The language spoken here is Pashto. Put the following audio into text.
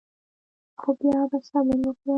خو بیا به صبر وکړم.